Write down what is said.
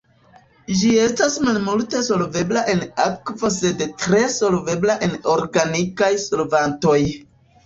Ĝi estas malmulte solvebla en akvo sed tre solvebla en organikaj solvantoj.